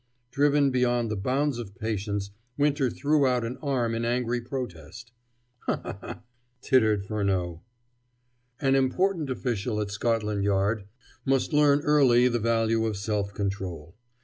Driven beyond the bounds of patience, Winter threw out an arm in angry protest. "Ha! ha! ha!" tittered Furneaux. An important official at Scotland Yard must learn early the value of self control.